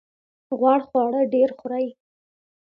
غوړ خواړه ډیر خورئ؟